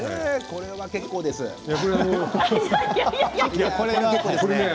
これは結構ですね。